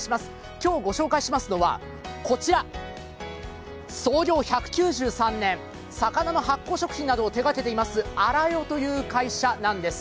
今日ご紹介しますのはこちら、創業１９３年、魚の発酵食品などを手掛けています、あら与という会社なんです。